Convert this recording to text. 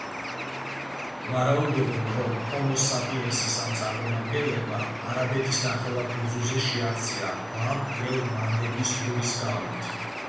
ვარაუდობენ, რომ ჰომო საპიენსის ამ წარმომადგენლებმა არაბეთის ნახევარკუნძულზე შეაღწია ბაბ-ელ-მანდების ყურის გავლით.